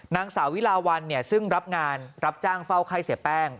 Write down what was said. นางสาวิลาวันซึ่งรับงานรับจ้างเฝ้าไข้เสียแป้ง